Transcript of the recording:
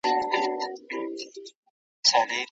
ملا غواړي چې دا غږ بند کړي.